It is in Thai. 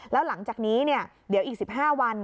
แล้วหลังจากนี้เดี๋ยวอีก๑๕วัน